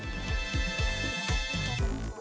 pembelian snack di bioskop